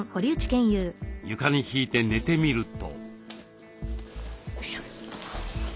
床に敷いて寝てみると。